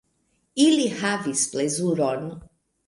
Ili havis plezuron.